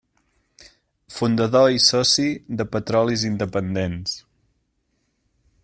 Fundador i soci de Petrolis Independents.